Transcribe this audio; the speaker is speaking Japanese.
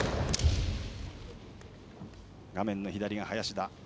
画面左が林田。